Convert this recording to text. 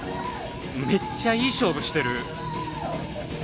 めっちゃいい勝負してる！